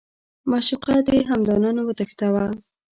معشوقه دې همدا نن وتښتوه.